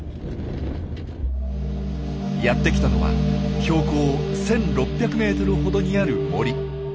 やってきたのは標高１，６００ｍほどにある森。